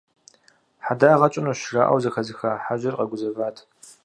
«Хьэдагъэ тщӏынущ» жаӏэу зыхэзыха хьэжьыр къэгузэват.